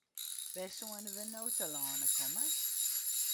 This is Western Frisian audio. Wêr soenen we no telâne komme?